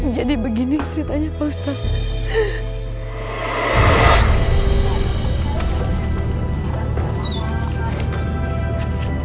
jadi begini ceritanya pak ustadz